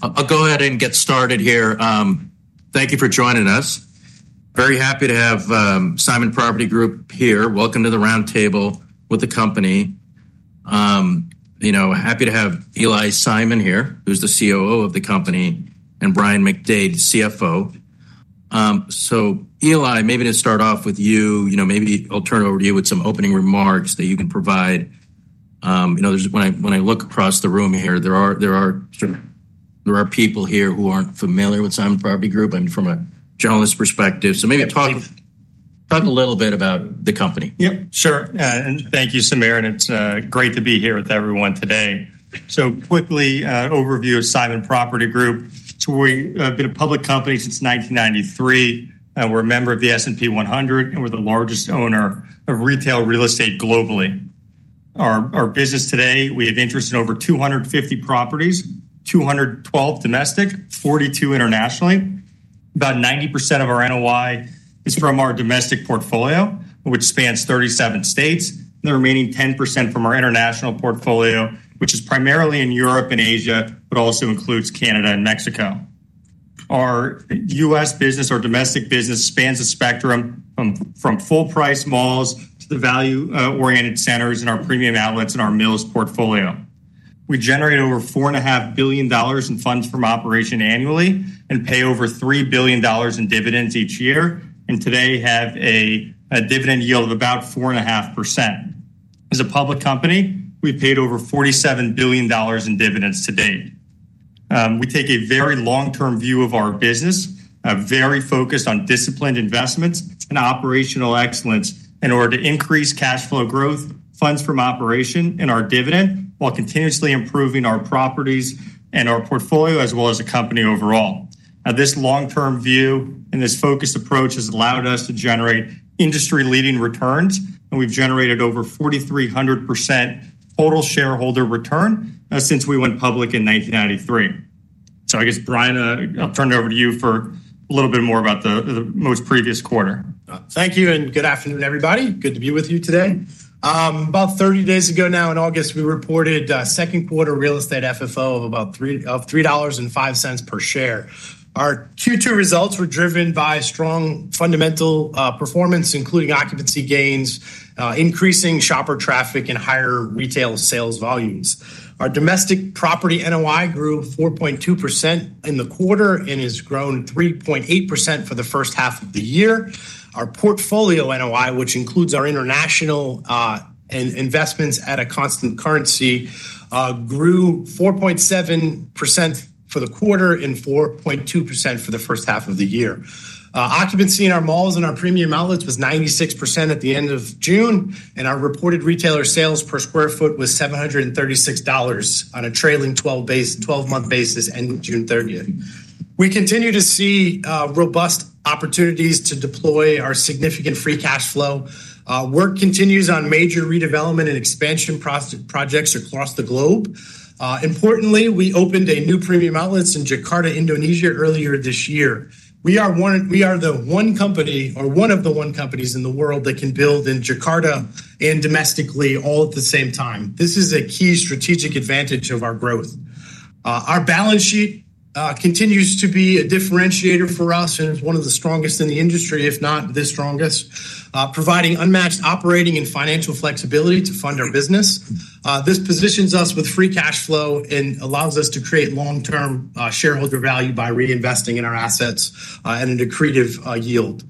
I'll go ahead and get started here. Thank you for joining us. Very happy to have Simon Property Group here. Welcome to the roundtable with the company. Happy to have Eli Simon here, who's the Chief Operating Officer of the company, and Brian McDade, Chief Financial Officer. Eli, maybe to start off with you, I'll turn it over to you with some opening remarks that you can provide. When I look across the room here, there are people here who aren't familiar with Simon Property Group. I'm from a generalist perspective. Maybe talk a little bit about the company. Yes, sure. Thank you, Samir. It's great to be here with everyone today. Quickly, an overview of Simon Property Group. We've been a public company since 1993. We're a member of the S&P 100 and we're the largest owner of retail real estate globally. Our business today, we have interest in over 250 properties, 212 domestic, 42 internationally. About 90% of our NOI is from our domestic portfolio, which spans 37 states, and the remaining 10% from our international portfolio, which is primarily in Europe and Asia, but also includes Canada and Mexico. Our U.S. business, our domestic business spans a spectrum from full-price malls to the value-oriented centers and our premium outlets in our Mills portfolio. We generate over $4.5 billion in funds from operations annually and pay over $3 billion in dividends each year, and today have a dividend yield of about 4.5%. As a public company, we have paid over $47 billion in dividends to date. We take a very long-term view of our business, very focused on disciplined investments and operational excellence in order to increase cash flow growth, funds from operations, and our dividend while continuously improving our properties and our portfolio, as well as the company overall. This long-term view and this focused approach has allowed us to generate industry-leading returns, and we've generated over 4,300% total shareholder return since we went public in 1993. Brian, I'll turn it over to you for a little bit more about the most previous quarter. Thank you and good afternoon, everybody. Good to be with you today. About 30 days ago now in August, we reported a second quarter real estate FFO of about $3.05 per share. Our Q2 results were driven by strong fundamental performance, including occupancy gains, increasing shopper traffic, and higher retail sales volumes. Our domestic property NOI grew 4.2% in the quarter and has grown 3.8% for the first half of the year. Our portfolio NOI, which includes our international investments at a constant currency, grew 4.7% for the quarter and 4.2% for the first half of the year. Occupancy in our malls and our premium outlets was 96% at the end of June, and our reported retailer sales per square foot was $736 on a trailing 12-month basis ending June 30. We continue to see robust opportunities to deploy our significant free cash flow. Work continues on major redevelopment and expansion projects across the globe. Importantly, we opened a new premium outlet in Jakarta, Indonesia, earlier this year. We are the one company, or one of the one companies in the world that can build in Jakarta and domestically all at the same time. This is a key strategic advantage of our growth. Our balance sheet continues to be a differentiator for us and is one of the strongest in the industry, if not the strongest, providing unmatched operating and financial flexibility to fund our business. This positions us with free cash flow and allows us to create long-term shareholder value by reinvesting in our assets at a decretive yield.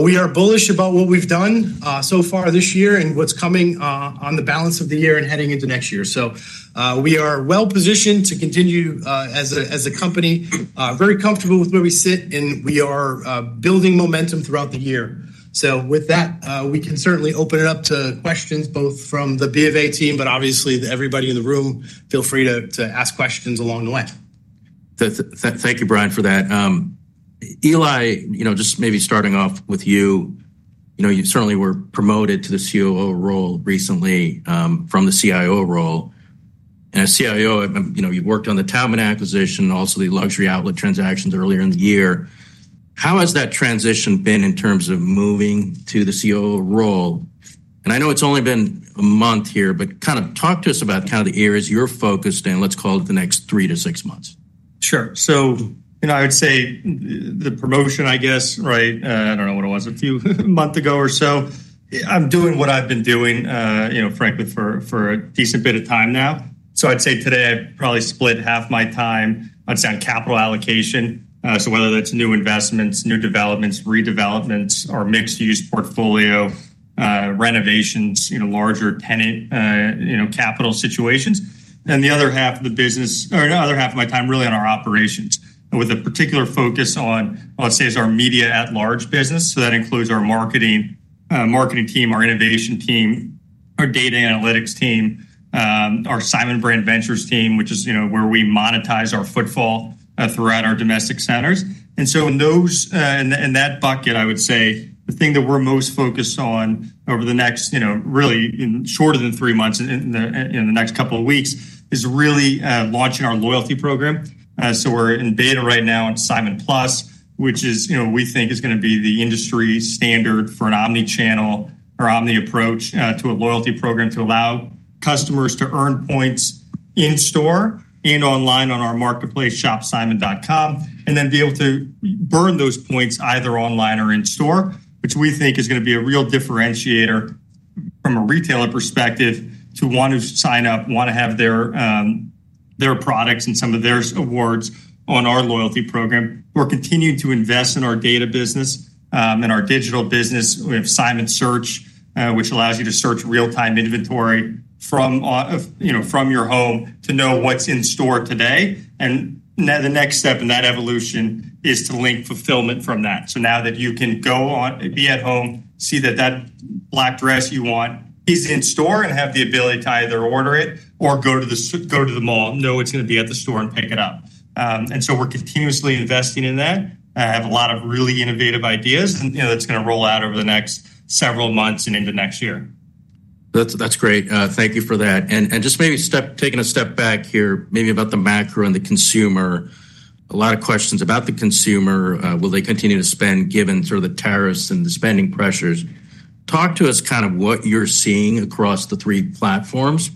We are bullish about what we've done so far this year and what's coming on the balance of the year and heading into next year. We are well positioned to continue as a company, very comfortable with where we sit, and we are building momentum throughout the year. With that, we can certainly open it up to questions both from the B of A team, but obviously everybody in the room, feel free to ask questions along the way. Thank you, Brian, for that. Eli, just maybe starting off with you, you certainly were promoted to the COO role recently from the CIO role. As CIO, you worked on the Taubman acquisition and also the luxury outlet transactions earlier in the year. How has that transition been in terms of moving to the COO role? I know it's only been a month here, but talk to us about the areas you're focused in, let's call it the next three to six months. Sure. I would say the promotion, I guess, right? I don't know what it was a few months ago or so. I'm doing what I've been doing, frankly, for a decent bit of time now. I'd say today I probably split half my time on capital allocation, whether that's new investments, new developments, redevelopments, or mixed-use portfolio renovations, larger tenant capital situations. The other half of my time is really on our operations, with a particular focus on our media at large business. That includes our marketing team, our innovation team, our data analytics team, our Simon Brand Ventures team, which is where we monetize our footfall throughout our domestic centers. In that bucket, I would say the thing that we're most focused on over the next, really shorter than three months, in the next couple of weeks, is launching our loyalty program. We're in beta right now on Simon Plus, which we think is going to be the industry standard for an omnichannel or omni approach to a loyalty program to allow customers to earn points in store and online on our marketplace, ShopSimon.com, and then be able to burn those points either online or in store, which we think is going to be a real differentiator from a retailer perspective to one who's signed up, want to have their products and some of their awards on our loyalty program. We're continuing to invest in our data business and our digital business. We have Simon Search, which allows you to search real-time inventory from your home to know what's in store today. The next step in that evolution is to link fulfillment from that. Now you can be at home, see that the black dress you want is in store, and have the ability to either order it or go to the mall, know it's going to be at the store, and pick it up. We're continuously investing in that. I have a lot of really innovative ideas that are going to roll out over the next several months and into next year. That's great. Thank you for that. Just maybe taking a step back here, maybe about the macro and the consumer. A lot of questions about the consumer. Will they continue to spend given sort of the tariffs and the spending pressures? Talk to us kind of what you're seeing across the three platforms.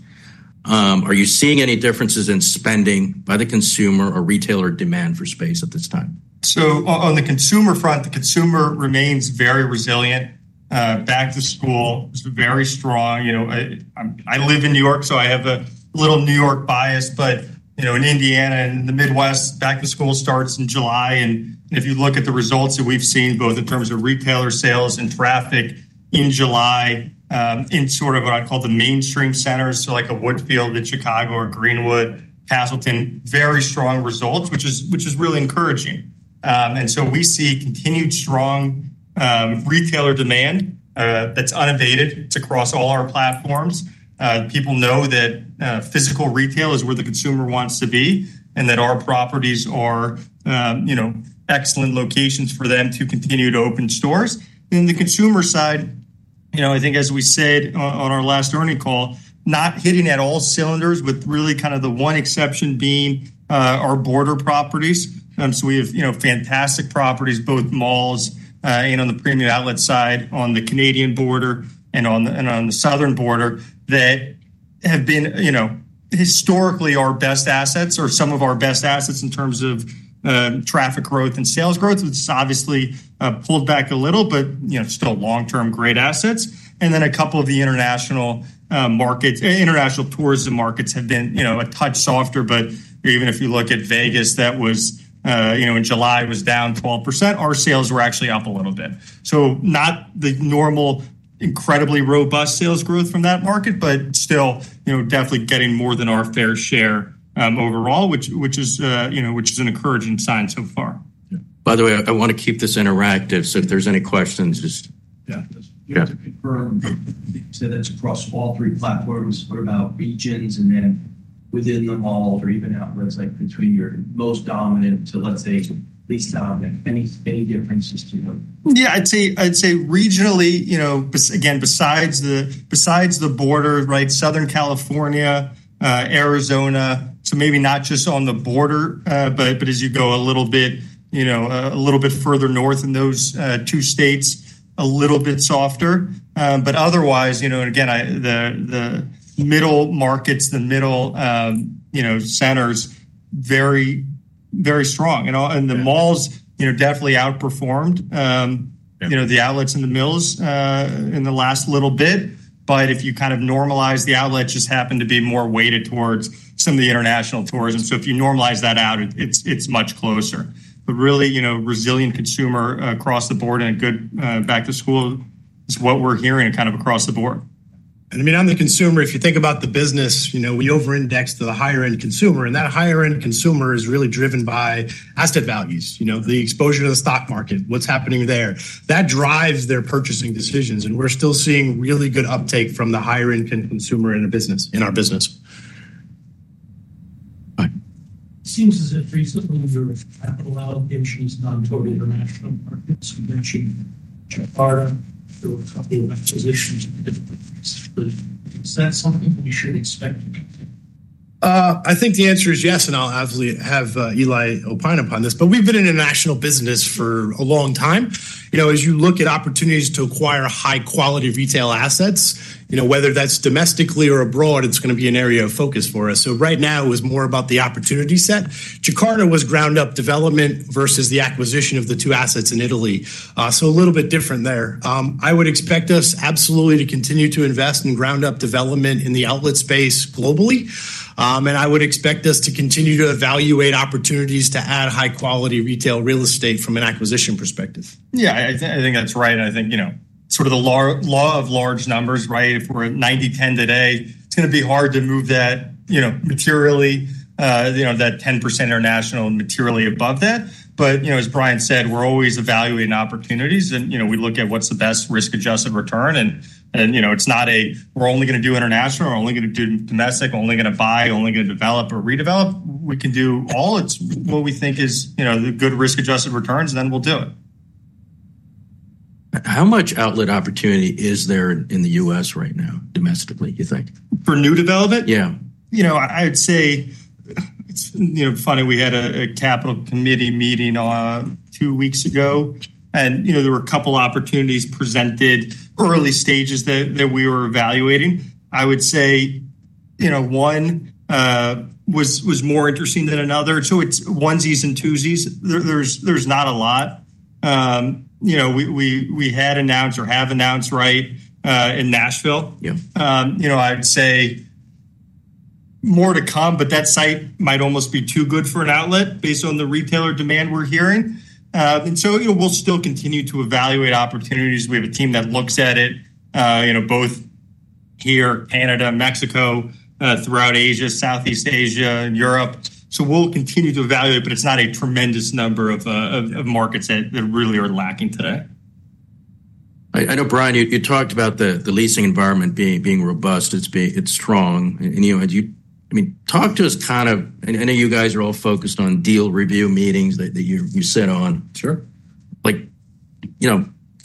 Are you seeing any differences in spending by the consumer or retailer demand for space at this time? On the consumer front, the consumer remains very resilient. Back to school is very strong. I live in New York, so I have a little New York bias, but in Indiana and the Midwest, back to school starts in July. If you look at the results that we've seen, both in terms of retailer sales and traffic in July, in what I call the mainstream centers, like a Woodfield in Chicago or Greenwood, Castleton, very strong results, which is really encouraging. We see continued strong retailer demand that's unabated across all our platforms. People know that physical retail is where the consumer wants to be and that our properties are excellent locations for them to continue to open stores. On the consumer side, I think as we said on our last earnings call, not hitting at all cylinders with really kind of the one exception being our border properties. We have fantastic properties, both malls and on the premium outlet side on the Canadian border and on the southern border that have been historically our best assets or some of our best assets in terms of traffic growth and sales growth. It's obviously pulled back a little, but still long-term great assets. A couple of the international markets, international tourism markets have been a touch softer. Even if you look at Vegas, in July it was down 12%. Our sales were actually up a little bit. Not the normal, incredibly robust sales growth from that market, but still definitely getting more than our fair share overall, which is an encouraging sign so far. By the way, I want to keep this interactive. If there's any questions, just... That's across all three platforms for about regions, and then within the malls or even outlets, that could be your most dominant to, let's say, least dominant. Any differences to you? I'd say regionally, you know, again, besides the border, right? Southern California, Arizona. Maybe not just on the border, but as you go a little bit further north in those two states, a little bit softer. Otherwise, you know, again, the middle markets, the middle, you know, centers, very, very strong. The malls, you know, definitely outperformed, you know, the outlets and the mills in the last little bit. If you kind of normalize, the outlets just happen to be more weighted towards some of the international tourism. If you normalize that out, it's much closer. Really, you know, resilient consumer across the board and a good back to school is what we're hearing kind of across the board. If you think about the business, you know, we over-index to the higher-end consumer. That higher-end consumer is really driven by asset values, you know, the exposure to the stock market, what's happening there. That drives their purchasing decisions. We're still seeing really good uptake from the higher-end consumer in our business. It seems as if recently there was a lot of interest in non-for-profits. You mentioned the bottom of the acquisition. Is that something we should expect? I think the answer is yes, and I'll absolutely have Eli opine upon this. We've been in international business for a long time. As you look at opportunities to acquire high-quality retail assets, whether that's domestically or abroad, it's going to be an area of focus for us. Right now it was more about the opportunity set. Jakarta was ground-up development versus the acquisition of the two assets in Italy, so a little bit different there. I would expect us absolutely to continue to invest in ground-up development in the outlet space globally, and I would expect us to continue to evaluate opportunities to add high-quality retail real estate from an acquisition perspective. Yeah, I think that's right. I think, you know, sort of the law of large numbers, right? If we're at 90-10 today, it's going to be hard to move that, you know, materially, that 10% international and materially above that. As Brian said, we're always evaluating opportunities. We look at what's the best risk-adjusted return. It's not a, we're only going to do international, we're only going to do domestic, we're only going to buy, we're only going to develop or redevelop. We can do all what we think is the good risk-adjusted returns, and then we'll do it. How much outlet opportunity is there in the U.S. right now domestically, do you think? For new development? Yeah. I would say it's funny, we had a capital committee meeting two weeks ago. There were a couple of opportunities presented, early stages that we were evaluating. I would say one was more interesting than another. It's onesies and twosies, there's not a lot. We have announced, right, in Nashville. I'd say more to come, but that site might almost be too good for an outlet based on the retailer demand we're hearing. We'll still continue to evaluate opportunities. We have a team that looks at it here, Canada, Mexico, throughout Asia, Southeast Asia, and Europe. We'll continue to evaluate, but it's not a tremendous number of markets that really are lacking today. I know, Brian, you talked about the leasing environment being robust. It's strong. You, I mean, talk to us kind of, I know you guys are all focused on deal review meetings that you sit on. Sure.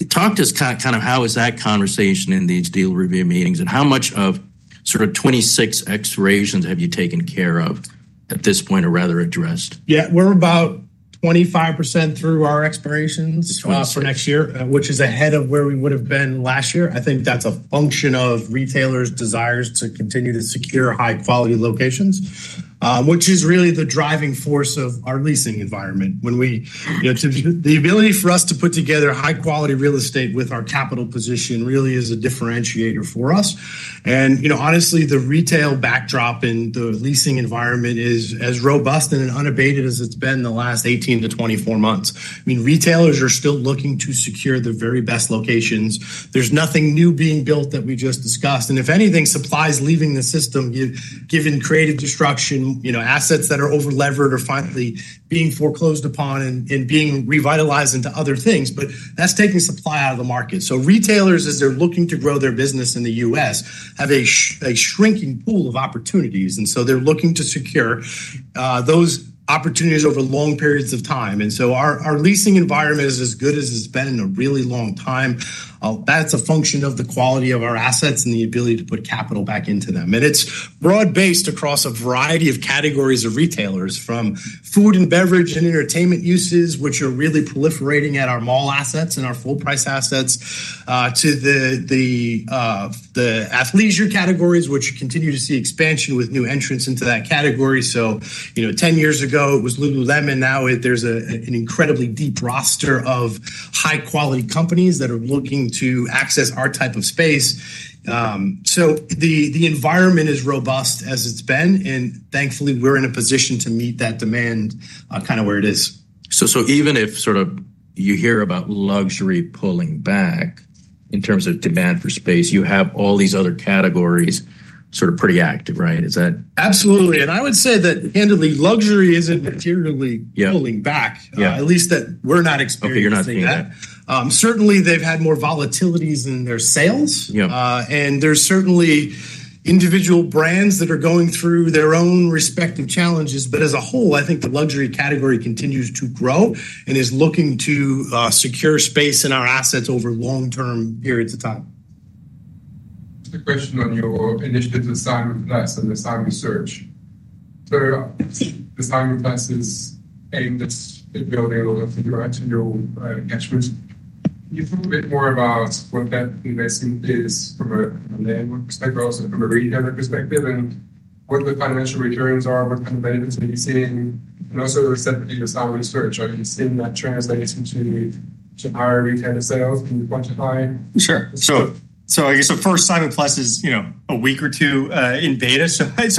Talk to us, kind of, how is that conversation in these deal review meetings, and how much of sort of 2026 expirations have you taken care of at this point or rather addressed? Yeah, we're about 25% through our expirations for next year, which is ahead of where we would have been last year. I think that's a function of retailers' desires to continue to secure high-quality locations, which is really the driving force of our leasing environment. The ability for us to put together high-quality real estate with our capital position really is a differentiator for us. Honestly, the retail backdrop in the leasing environment is as robust and unabated as it's been the last 18 to 24 months. I mean, retailers are still looking to secure the very best locations. There's nothing new being built that we just discussed. If anything, supply is leaving the system, given creative destruction, assets that are over-levered or finally being foreclosed upon and being revitalized into other things. That's taking supply out of the market. Retailers, as they're looking to grow their business in the U.S., have a shrinking pool of opportunities. They're looking to secure those opportunities over long periods of time. Our leasing environment is as good as it's been in a really long time. That's a function of the quality of our assets and the ability to put capital back into them. It's broad-based across a variety of categories of retailers, from food and beverage and entertainment uses, which are really proliferating at our mall assets and our full-price assets, to the athleisure categories, which continue to see expansion with new entrants into that category. Ten years ago, it was Lululemon. Now there's an incredibly deep roster of high-quality companies that are looking to access our type of space. The environment is robust as it's been. Thankfully, we're in a position to meet that demand kind of where it is. Even if you hear about luxury pulling back in terms of demand for space, you have all these other categories pretty active, right? Absolutely. I would say that, candidly, luxury isn't materially pulling back. At least, we're not experiencing that. Certainly, they've had more volatilities in their sales, and there are individual brands that are going through their own respective challenges. As a whole, I think the luxury category continues to grow and is looking to secure space in our assets over long-term periods of time. The question on your initiative with Simon Plus and the Simon Search. Simon Plus is aimed at building a lot of your art and your attribute. Can you talk a bit more about what that investing is from an aspect but also from a retailer perspective and what the financial returns are, what kind of benefits are you seeing? Also, the same thing with Simon Search, right? It's still not translated into our retailer sales. Can you quantify? Sure. I guess the first Simon Plus is, you know, a week or two in beta.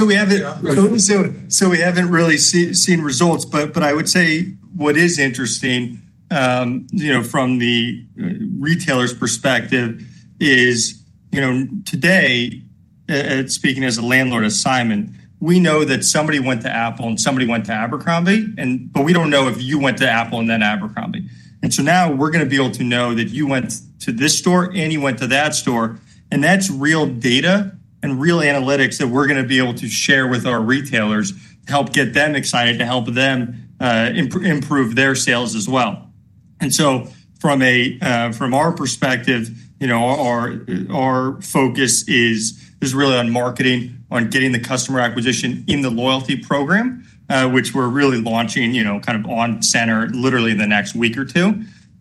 We haven't really seen results. I would say what is interesting, you know, from the retailer's perspective is, you know, today, speaking as a landlord of Simon, we know that somebody went to Apple and somebody went to Abercrombie. We don't know if you went to Apple and then Abercrombie. Now we're going to be able to know that you went to this store and you went to that store. That's real data and real analytics that we're going to be able to share with our retailers to help get them excited, to help them improve their sales as well. From our perspective, our focus is really on marketing, on getting the customer acquisition in the loyalty program, which we're really launching, you know, kind of on center literally in the next week or two.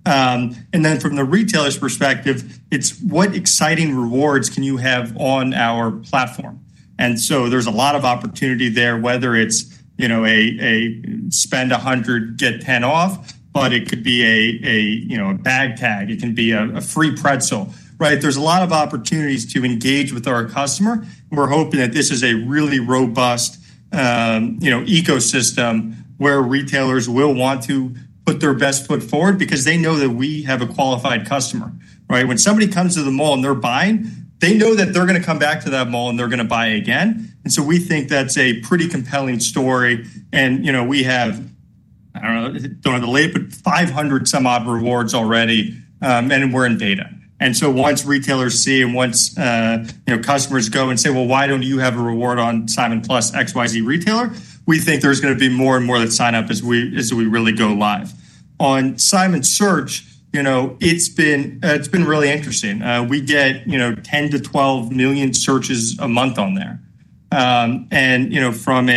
From the retailer's perspective, it's what exciting rewards can you have on our platform. There's a lot of opportunity there, whether it's, you know, a spend $100, get $10 off, but it could be a, you know, a bag tag. It can be a free pretzel, right? There's a lot of opportunities to engage with our customer. We're hoping that this is a really robust ecosystem where retailers will want to put their best foot forward because they know that we have a qualified customer, right? When somebody comes to the mall and they're buying, they know that they're going to come back to that mall and they're going to buy again. We think that's a pretty compelling story. We have, I don't know if it's going to the late, but 500 some odd rewards already, and we're in beta. Once retailers see and once, you know, customers go and say, well, why don't you have a reward on Simon Plus XYZ retailer, we think there's going to be more and more that sign up as we really go live. On Simon Search, it's been really interesting. We get, you know, 10 to 12 million searches a month on there. From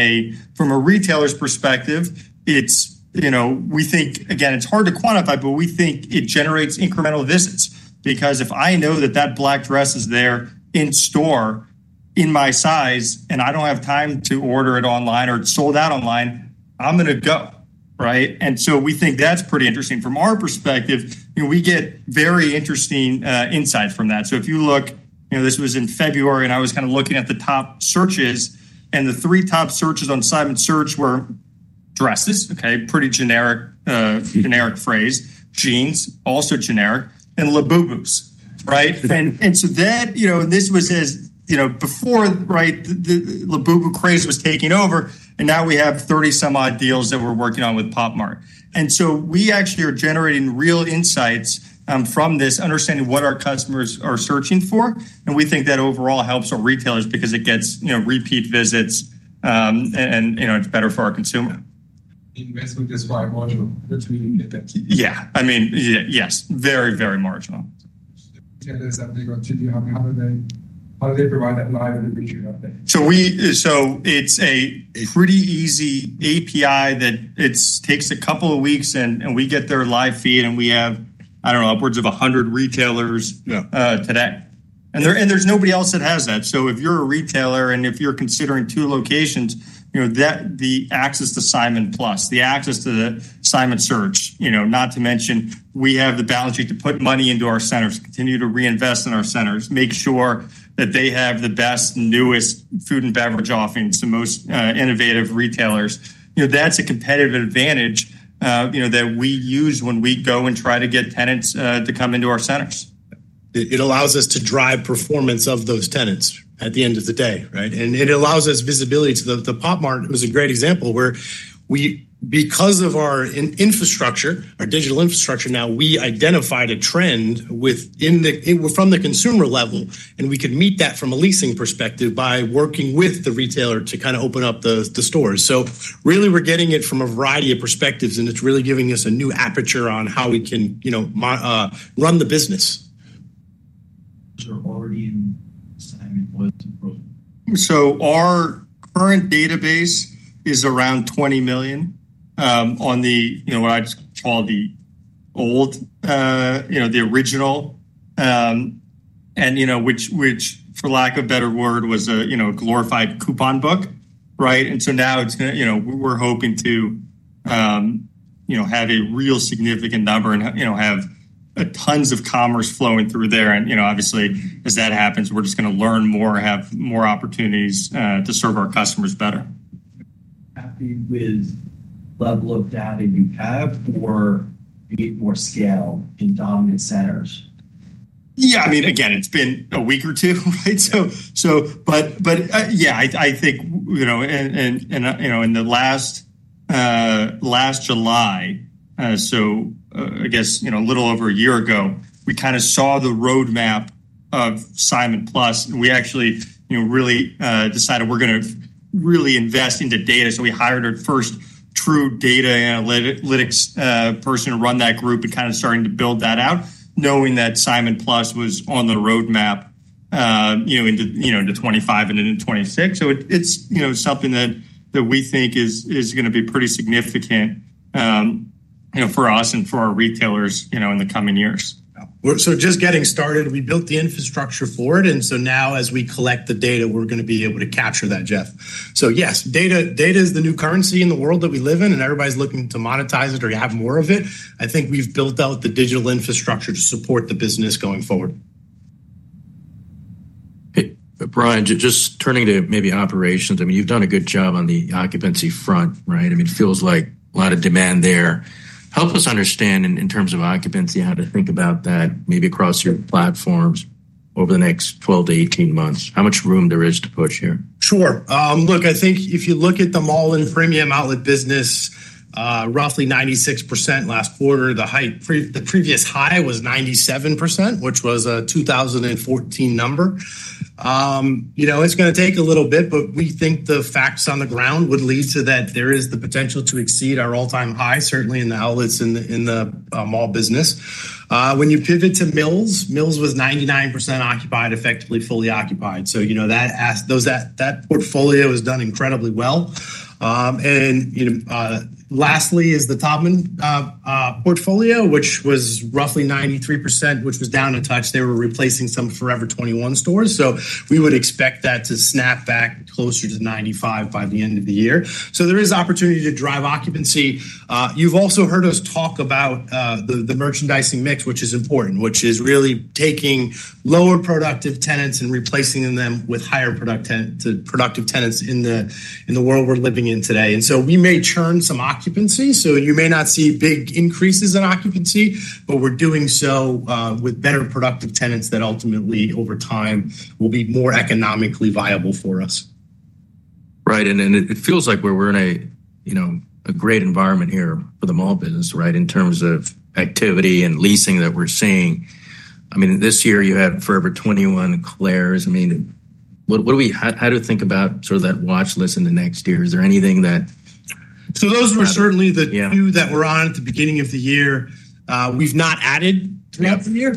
a retailer's perspective, it's, you know, we think, again, it's hard to quantify, but we think it generates incremental visits because if I know that that black dress is there in store in my size and I don't have time to order it online or it's sold out online, I'm going to go, right? We think that's pretty interesting. From our perspective, we get very interesting insights from that. If you look, this was in February and I was kind of looking at the top searches. The three top searches on Simon Search were dresses, pretty generic phrase, jeans, also generic, and labubu, right? That was before the labubu craze was taking over and now we have 30 some odd deals that we're working on with Pop Mart. We actually are generating real insights from this, understanding what our customers are searching for. We think that overall helps our retailers because it gets repeat visits and it's better for our consumer. Yeah, I mean, yes, very, very marginal. It's a pretty easy API that takes a couple of weeks and we get their live feed. We have, I don't know, upwards of 100 retailers today, and there's nobody else that has that. If you're a retailer and if you're considering two locations, the access to Simon Plus, the access to Simon Search, not to mention we have the balance sheet to put money into our centers, continue to reinvest in our centers, make sure that they have the best, newest food and beverage offerings, the most innovative retailers. That's a competitive advantage that we use when we go and try to get tenants to come into our centers. It allows us to drive performance of those tenants at the end of the day, right? It allows us visibility to the Pop Mart, which was a great example where we, because of our infrastructure, our digital infrastructure now, identified a trend from the consumer level. We could meet that from a leasing perspective by working with the retailer to kind of open up the stores. We're getting it from a variety of perspectives, and it's really giving us a new aperture on how we can, you know, run the business. Our current database is around 20 million on the, you know, what I just call the old, you know, the original, which for lack of a better word, was a, you know, a glorified coupon book, right? Now it's, you know, we're hoping to have a real significant number and have tons of commerce flowing through there. Obviously, as that happens, we're just going to learn more, have more opportunities to serve our customers better. Happy with the level of data you have, or in more scale in dominant centers? Yeah, I mean, it's been a week or two, right? I think, you know, in the last July, so I guess a little over a year ago, we kind of saw the roadmap of Simon Plus. We actually really decided we're going to really invest into data. We hired our first true data analytics person to run that group and started to build that out, knowing that Simon Plus was on the roadmap into 2025 and into 2026. It's something that we think is going to be pretty significant for us and for our retailers in the coming years. We're just getting started. We built the infrastructure for it, and now, as we collect the data, we're going to be able to capture that, Jeff. Yes, data is the new currency in the world that we live in. Everybody's looking to monetize it or have more of it. I think we've built out the digital infrastructure to support the business going forward. Brian, just turning to maybe operations, you've done a good job on the occupancy front, right? It feels like a lot of demand there. Help us understand in terms of occupancy and how to think about that maybe across your platforms over the next 12 to 18 months. How much room there is to push here? Sure. Look, I think if you look at the mall and premium outlet business, roughly 96% last quarter. The previous high was 97%, which was a 2014 number. You know, it's going to take a little bit, but we think the facts on the ground would lead to that there is the potential to exceed our all-time high, certainly in the outlets and in the mall business. When you pivot to mills, mills was 99% occupied, effectively fully occupied. That portfolio has done incredibly well. Lastly is the Taubman portfolio, which was roughly 93%, which was down a touch. They were replacing some Forever 21 stores. We would expect that to snap back closer to 95% by the end of the year. There is opportunity to drive occupancy. You've also heard us talk about the merchandising mix, which is important, which is really taking lower productive tenants and replacing them with higher productive tenants in the world we're living in today. We may churn some occupancy. You may not see big increases in occupancy, but we're doing so with better productive tenants that ultimately over time will be more economically viable for us. Right. It feels like we're in a great environment here for the mall business, in terms of activity and leasing that we're seeing. This year you have Forever 21 and Claire's. How do you think about sort of that watch list in the next year? Is there anything that... Those were certainly the two that were on at the beginning of the year. We've not added throughout the year,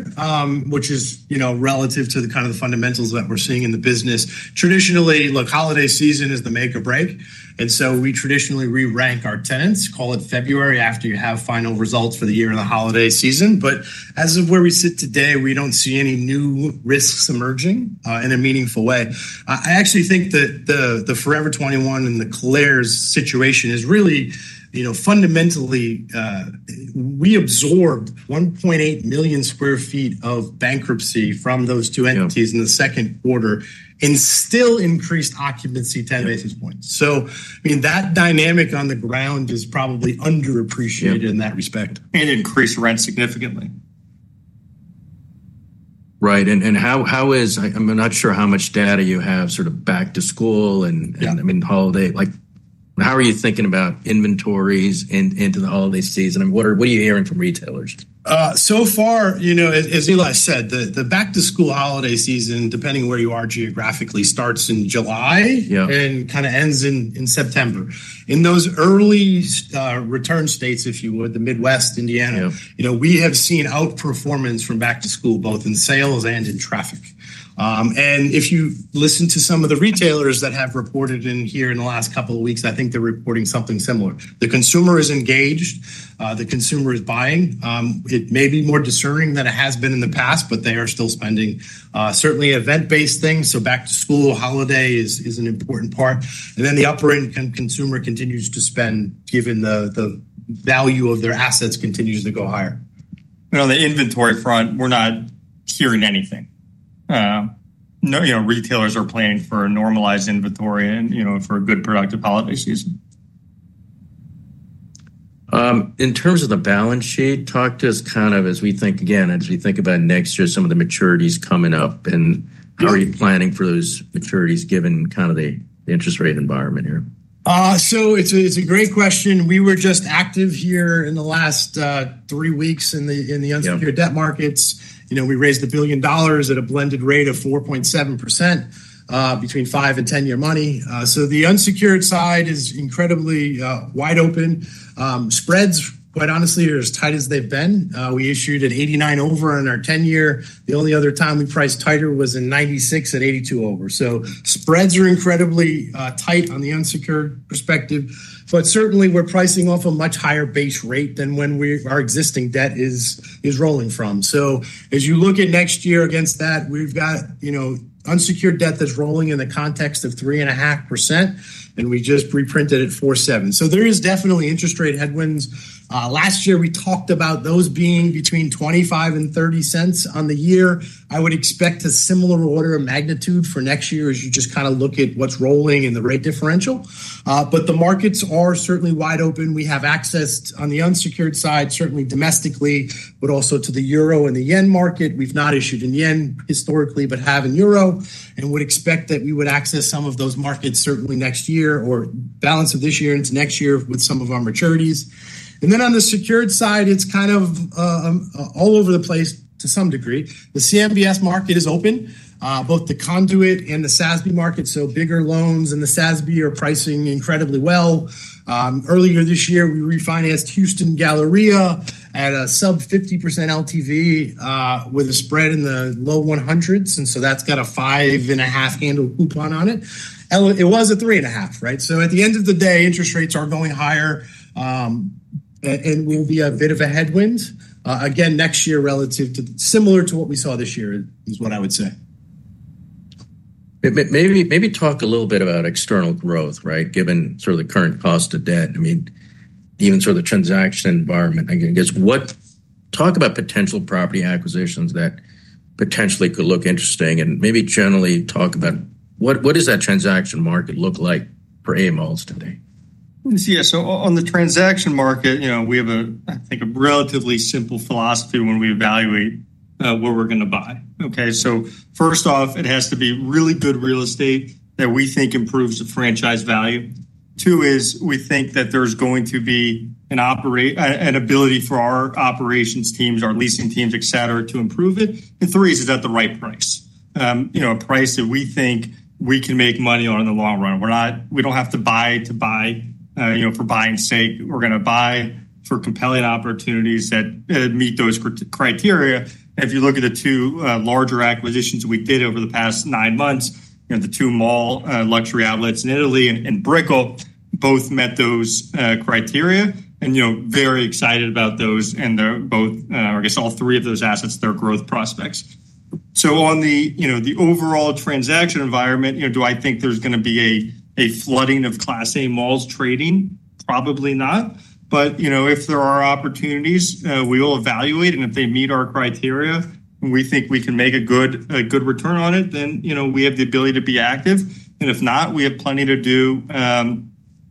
which is, you know, relative to the fundamentals that we're seeing in the business. Traditionally, holiday season is the make or break. We traditionally re-rank our tenants, call it February, after you have final results for the year in the holiday season. As of where we sit today, we don't see any new risks emerging in a meaningful way. I actually think that the Forever 21 and the Claire's situation is really, you know, fundamentally, we absorbed 1.8 million square feet of bankruptcy from those two entities in the second quarter and still increased occupancy ten basis points. That dynamic on the ground is probably underappreciated in that respect and increased rent significantly. Right. How is, I'm not sure how much data you have sort of back to school and holiday. How are you thinking about inventories into the holiday season? What are you hearing from retailers? As Eli said, the back to school holiday season, depending where you are geographically, starts in July and kind of ends in September. In those early return states, if you would, the Midwest, Indiana, we have seen outperformance from back to school, both in sales and in traffic. If you listen to some of the retailers that have reported in here in the last couple of weeks, I think they're reporting something similar. The consumer is engaged. The consumer is buying. It may be more discerning than it has been in the past, but they are still spending. Certainly, event-based things, so back to school holiday is an important part. The upper-end consumer continues to spend, given the value of their assets continues to go higher. On the inventory front, we're not hearing anything. Retailers are planning for a normalized inventory and for a good productive holiday season. In terms of the balance sheet, talk to us as we think, again, as we think about next year, some of the maturities coming up. How are you planning for those maturities, given the interest rate environment here? It's a great question. We were just active here in the last three weeks in the unsecured debt markets. We raised $1 billion at a blended rate of 4.7% between 5 and 10-year money. The unsecured side is incredibly wide open. Spreads, quite honestly, are as tight as they've been. We issued at 89 over on our 10-year. The only other time we priced tighter was in 1996 at 82 over. Spreads are incredibly tight on the unsecured perspective. Certainly, we're pricing off a much higher base rate than when our existing debt is rolling from. As you look at next year against that, we've got unsecured debt that's rolling in the context of 3.5%, and we just reprinted at 4.7%. There is definitely interest rate headwinds. Last year, we talked about those being between $0.25 and $0.30 on the year. I would expect a similar order of magnitude for next year as you just kind of look at what's rolling in the rate differential. The markets are certainly wide open. We have access on the unsecured side, certainly domestically, but also to the euro and the yen market. We've not issued in yen historically, but have in euro, and would expect that we would access some of those markets certainly next year or balance of this year into next year with some of our maturities. On the secured side, it's kind of all over the place to some degree. The CMBS market is open. Both the conduit and the SASB market, so bigger loans and the SASB, are pricing incredibly well. Earlier this year, we refinanced Houston Galleria at a sub 50% LTV with a spread in the low 100s. That's got a five and a half handle coupon on it. It was a three and a half, right? At the end of the day, interest rates are going higher and will be a bit of a headwind. Again, next year, relative to similar to what we saw this year is what I would say. Maybe talk a little bit about external growth, right? Given sort of the current cost of debt, I mean, even sort of the transaction environment. I guess talk about potential property acquisitions that potentially could look interesting and maybe generally talk about what does that transaction market look like for A malls today? Yeah, so on the transaction market, we have a, I think, a relatively simple philosophy when we evaluate what we're going to buy. First off, it has to be really good real estate that we think improves the franchise value. Two is we think that there's going to be an ability for our operations teams, our leasing teams, et cetera, to improve it. Three is, is that the right price, a price that we think we can make money on in the long run. We don't have to buy to buy, for buying sake. We're going to buy for compelling opportunities that meet those criteria. If you look at the two larger acquisitions that we've made over the past nine months, the two mall luxury outlets in Italy and Brickell both met those criteria. Very excited about those and they're both, I guess, all three of those assets, they're growth prospects. On the overall transaction environment, do I think there's going to be a flooding of class A malls trading? Probably not. If there are opportunities, we will evaluate. If they meet our criteria and we think we can make a good return on it, then we have the ability to be active. If not, we have plenty to do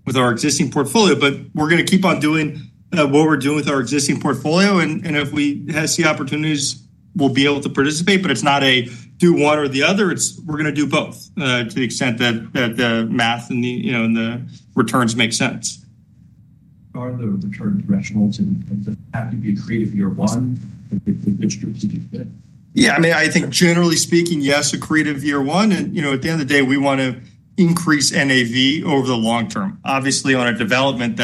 with our existing portfolio. We're going to keep on doing what we're doing with our existing portfolio. If we see opportunities, we'll be able to participate. It's not a do one or the other. We're going to do both to the extent that the math and the returns make sense. Are there return thresholds? Does it have to be accretive year one? Yeah, I mean, I think generally speaking, yes, accretive year one. At the end of the day, we want to increase NAV over the long term. Obviously, on a development,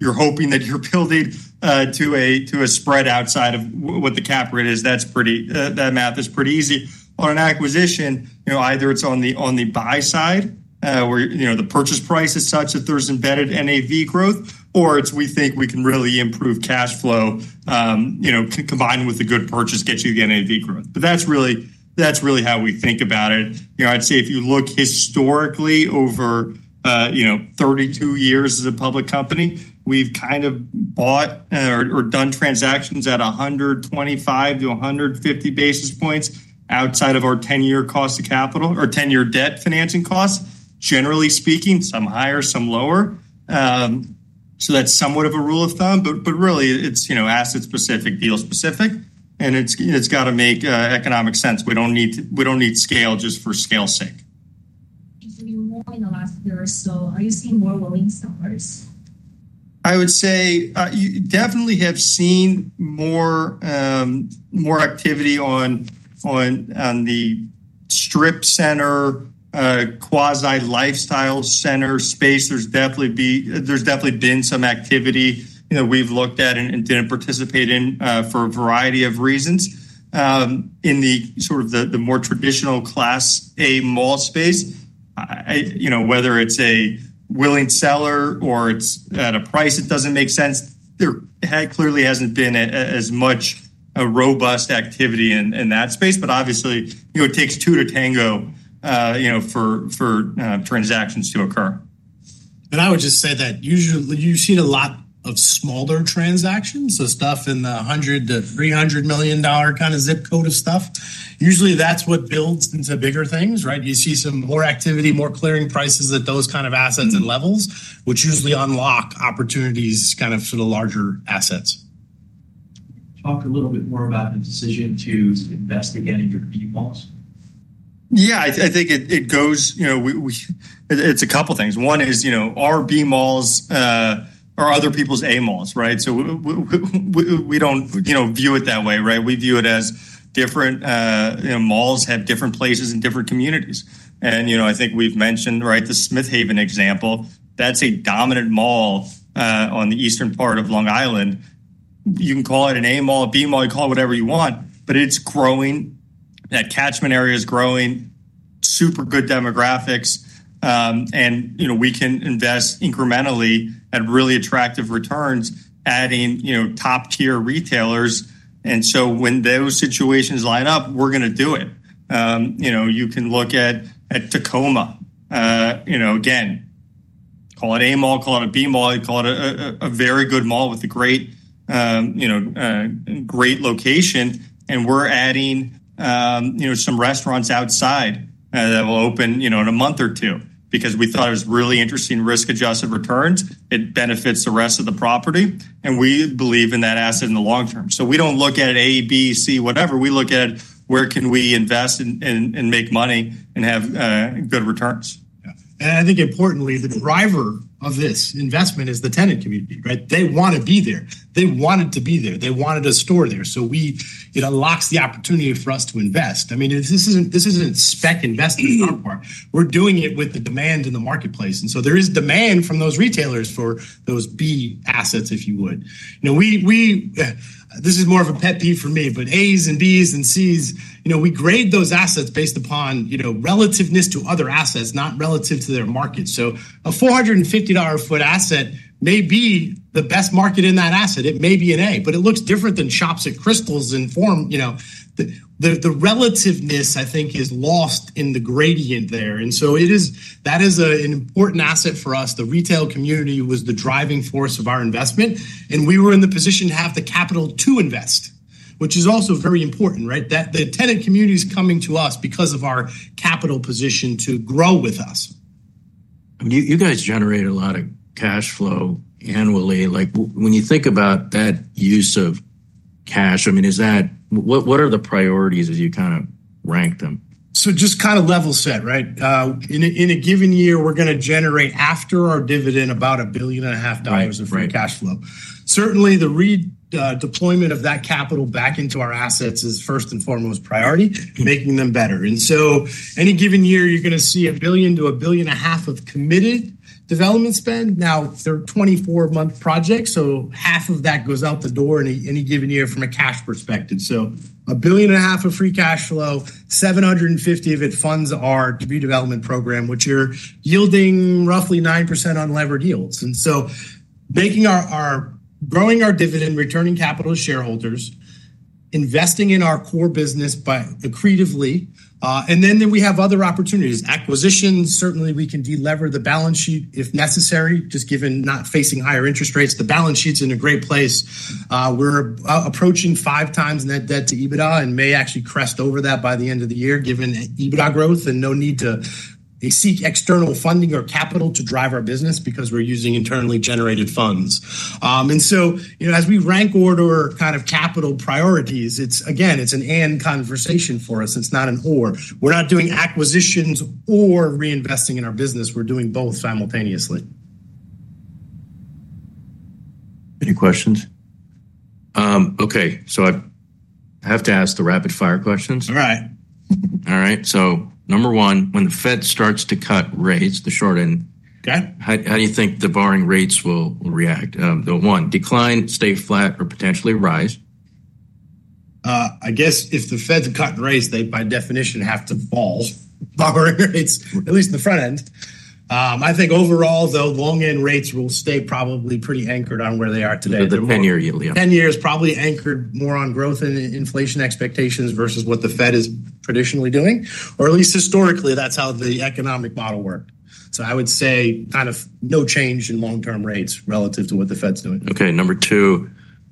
you're hoping that you're building to a spread outside of what the cap rate is. That math is pretty easy. On an acquisition, either it's on the buy side where the purchase price is such that there's embedded NAV growth, or we think we can really improve cash flow, combined with a good purchase, get you the NAV growth. That's really how we think about it. If you look historically over 32 years as a public company, we've kind of bought or done transactions at 125 to 150 basis points outside of our 10-year cost of capital or 10-year debt financing costs. Generally speaking, some higher, some lower. That's somewhat of a rule of thumb. Really, it's asset-specific, deal-specific, and it's got to make economic sense. We don't need scale just for scale's sake. In the last year or so, are you seeing more rolling stores? I would say you definitely have seen more activity on the strip center, quasi-lifestyle center space. There's definitely been some activity that we've looked at and didn't participate in for a variety of reasons. In the sort of the more traditional class A mall space, whether it's a willing seller or it's at a price that doesn't make sense, there clearly hasn't been as much robust activity in that space. Obviously, it takes two to tango for transactions to occur. I would just say that usually you've seen a lot of smaller transactions, so stuff in the $100 million to $300 million kind of zip code of stuff. Usually, that's what builds into bigger things, right? You see some more activity, more clearing prices at those kind of assets and levels, which usually unlock opportunities kind of for the larger assets. Talk a little bit more about the decision to invest again in your B malls. Yeah, I think it goes, you know, it's a couple of things. One is, you know, our B malls are other people's A malls, right? We don't, you know, view it that way, right? We view it as different, you know, malls have different places in different communities. I think we've mentioned, right, the Smithhaven example. That's a dominant mall on the eastern part of Long Island. You can call it an A mall, a B mall, you call it whatever you want, but it's growing. That catchment area is growing, super good demographics. We can invest incrementally at really attractive returns, adding, you know, top-tier retailers. When those situations line up, we're going to do it. You can look at Tacoma, you know, again, call it A mall, call it a B mall, you call it a very good mall with a great, you know, great location. We're adding, you know, some restaurants outside that will open, you know, in a month or two because we thought it was really interesting risk-adjusted returns. It benefits the rest of the property. We believe in that asset in the long term. We don't look at A, B, C, whatever. We look at where can we invest and make money and have good returns. I think importantly, the driver of this investment is the tenant community, right? They want to be there. They wanted to be there. They wanted a store there. It unlocks the opportunity for us to invest. I mean, this isn't spec investing anymore. We're doing it with the demand in the marketplace. There is demand from those retailers for those B assets, if you would. This is more of a pet peeve for me, but A's and B's and C's, you know, we grade those assets based upon relativeness to other assets, not relative to their market. A $450 foot asset may be the best market in that asset. It may be an A, but it looks different than shops at Crystals and Form. The relativeness, I think, is lost in the gradient there. That is an important asset for us. The retail community was the driving force of our investment. We were in the position to have the capital to invest, which is also very important, right? The tenant community is coming to us because of our capital position to grow with us. You guys generate a lot of cash flow annually. When you think about that use of cash, is that, what are the priorities as you kind of rank them? Just to level set, right? In a given year, we're going to generate after our dividend about $1.5 billion of free cash flow. Certainly, the redeployment of that capital back into our assets is first and foremost priority, making them better. In any given year, you're going to see $1 billion to $1.5 billion of committed development spend. Now, they're 24-month projects, so half of that goes out the door in any given year from a cash perspective. So $1.5 billion of free cash flow, $750 million of it funds our degree development program, which are yielding roughly 9% on unlevered yields. Making our, growing our dividend, returning capital to shareholders, investing in our core business creatively. We have other opportunities, acquisitions. Certainly, we can delever the balance sheet if necessary, just given not facing higher interest rates. The balance sheet's in a great place. We're approaching five times net debt to EBITDA and may actually crest over that by the end of the year, given EBITDA growth and no need to seek external funding or capital to drive our business because we're using internally generated funds. As we rank order kind of capital priorities, it's, again, it's an and conversation for us. It's not an or. We're not doing acquisitions or reinvesting in our business. We're doing both simultaneously. Any questions? Okay, I have to ask the rapid-fire questions. All right. All right. Number one, when the Fed starts to cut rates, the short end, how do you think the borrowing rates will react? Decline, stay flat, or potentially rise? I guess if the Fed cut rates, they by definition have to fall, borrowing rates, at least the front end. I think overall, the long end rates will stay probably pretty anchored on where they are today. The 10-year yield, yeah. 10 years probably anchored more on growth and inflation expectations versus what the Fed is traditionally doing, or at least historically, that's how the economic model worked. I would say kind of no change in long-term rates relative to what the Fed's doing. Okay. Number two,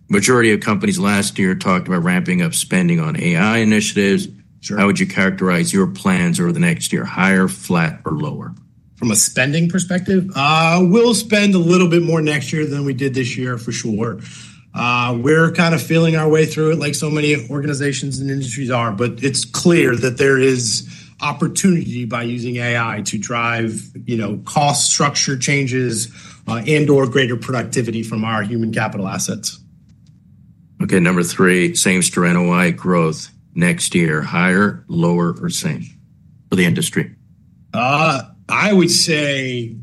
majority of companies last year talked about ramping up spending on AI initiatives. How would you characterize your plans over the next year, higher, flat, or lower? From a spending perspective, we'll spend a little bit more next year than we did this year for sure. We're kind of feeling our way through it like so many organizations and industries are, but it's clear that there is opportunity by using AI to drive cost structure changes and/or greater productivity from our human capital assets. Okay. Number three, same story in a way, growth next year, higher, lower, or same for the industry? I would say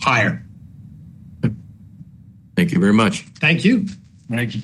higher. Thank you very much. Thank you.